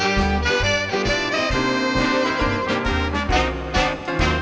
สวัสดีครับสวัสดีครับ